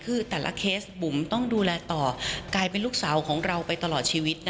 คือแต่ละเคสบุ๋มต้องดูแลต่อกลายเป็นลูกสาวของเราไปตลอดชีวิต